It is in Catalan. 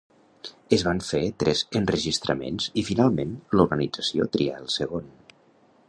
Es van fer tres enregistraments i finalment l'organització trià el segon.